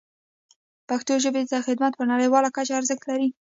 پښتو ژبې ته خدمت په نړیواله کچه ارزښت لري.